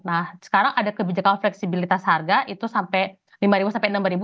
nah sekarang ada kebijakan fleksibilitas harga itu sampai rp lima sampai rp enam